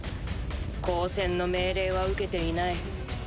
交戦の命令は受けていない。